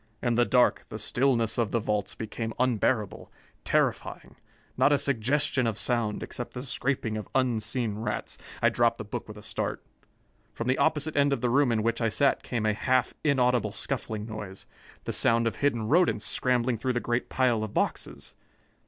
In the dark, the stillness of the vaults became unbearable, terrifying. Not a suggestion of sound, except the scraping of unseen rats " I dropped the book with a start. From the opposite end of the room in which I sat came a half inaudible scuffling noise the sound of hidden rodents scrambling through the great pile of boxes.